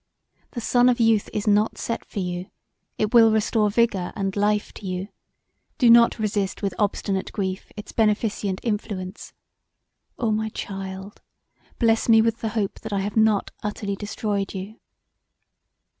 The sun of youth is not set for you; it will restore vigour and life to you; do not resist with obstinate grief its beneficent influence, oh, my child! bless me with the hope that I have not utterly destroyed you.